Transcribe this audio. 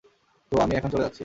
তো, আমি এখন চলে যাচ্ছি।